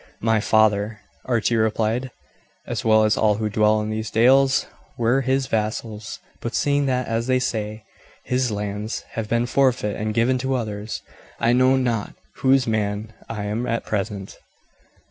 "My father," Archie replied, "as well as all who dwell in these dales, were his vassals; but seeing that, as they say, his lands have been forfeit and given to others, I know not whose man I am at present."